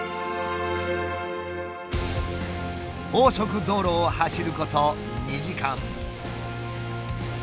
高速道路を走ること２時間。